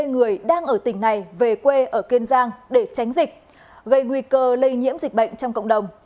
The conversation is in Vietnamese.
hai mươi người đang ở tỉnh này về quê ở kiên giang để tránh dịch gây nguy cơ lây nhiễm dịch bệnh trong cộng đồng